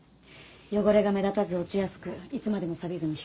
汚れが目立たず落ちやすくいつまでもさびずに光り輝く。